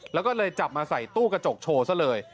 แล้วก็เลยจับมาใส่ตู้กระจกโชว์ซะเลย